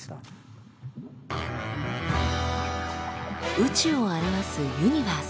宇宙を表す「ユニバース」。